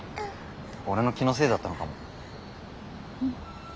俺の気のせいだったのかも。